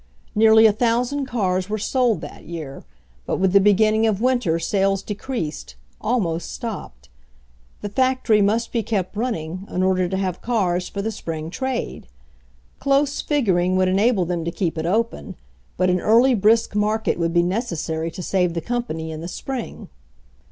Nearly a thousand cars were sold that year, but with the beginning of winter sales decreased, al most stopped. The factory must be kept run ning, in order to have cars for the spring trade. Close figuring would enable them to keep it open, but an early, brisk market would be necessary to save the company in the spring.